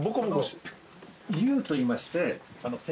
龍といいまして。